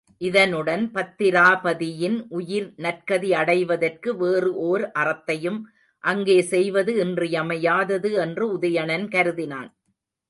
இதனுடன் பத்திராபதியின் உயிர் நற்கதி அடைவதற்கு வேறு ஒர் அறத்தையும் அங்கே செய்வது இன்றியமையாதது என்று உதயணன் கருதினான்.